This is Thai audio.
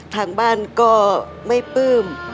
ทางบ้านก็ไม่ปลื้ม